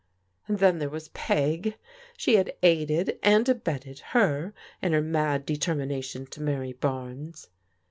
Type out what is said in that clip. And then there was Peg. She had aided and abetted her in her mad determination to marry Barnes.